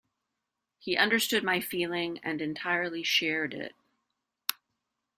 He understood my feeling and entirely shared it.